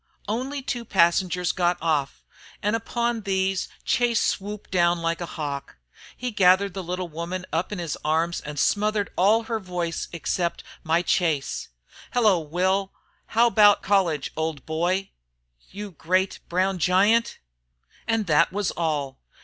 Only two passengers got off, and upon these Chase swooped down like a hawk. He gathered the little woman up in his arms and smothered all her voice except "my Chase." "Hello, Will! How about college, old boy." "You great, brown giant!" And that was all.